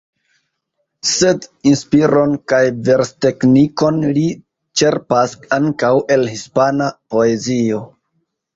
Sed inspiron kaj versteknikon li ĉerpas ankaŭ el hispana poezio.